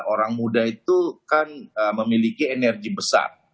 orang muda itu kan memiliki energi besar